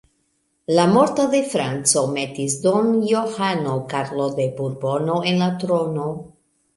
La morto de Franco metis Don Johano Karlo de Burbono en la trono.